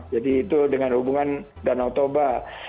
jadi itu dengan hubungan danau toba